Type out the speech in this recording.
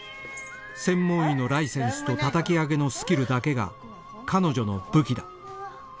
専門医のライセンスと叩き上げのスキルだけが彼女の武器だ